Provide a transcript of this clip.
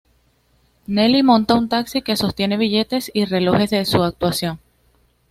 Nelly monta un taxi que sostiene billetes y relojes de su actuación.